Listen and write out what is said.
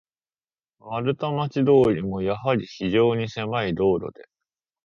丸太町通も、やはり非常にせまい道路で、